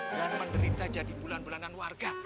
dan menderita jadi bulan bulanan warga